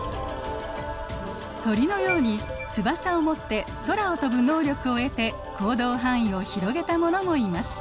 鳥のように翼を持って空を飛ぶ能力を得て行動範囲を広げたものもいます。